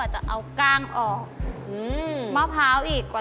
ไต